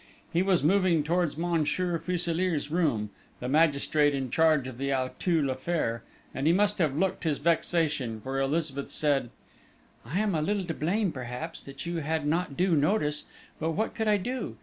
He was moving towards Monsieur Fuselier's room, the magistrate in charge of the Auteuil affair, and he must have looked his vexation, for Elizabeth said: "I am a little to blame, perhaps, that you had not due notice, but what could I do!